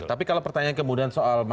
tapi kalau pertanyaan kemudian soal